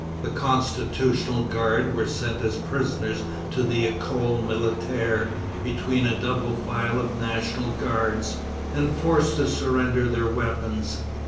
The Constitutional Guard were sent as prisoners to the École Militaire between a double file of National Guards, and forced to surrender their weapons.